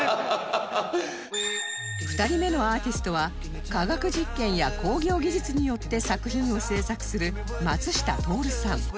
２人目のアーティストは化学実験や工業技術によって作品を制作する松下徹さん